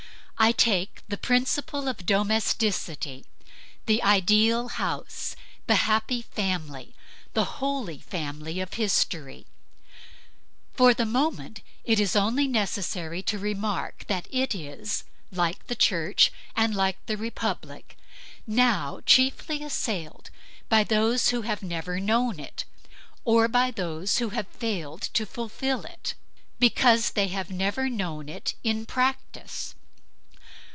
I take the principle of domesticity: the ideal house; the happy family, the holy family of history. For the moment it is only necessary to remark that it is like the church and like the republic, now chiefly assailed by those who have never known it, or by those who have failed to fulfil it. Numberless modern women have rebelled against domesticity in theory because they have never known it in practice.